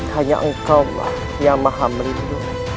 hanya engkau lah yang mahamrind